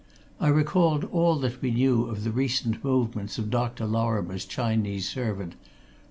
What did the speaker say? I recalled all that we knew of the recent movements of Dr. Lorrimore's Chinese servant.